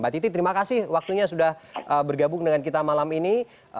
mbak titi terima kasih waktunya sudah bergabung dengan kita malam ini